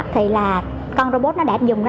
thì là con robot nó đã dùng ra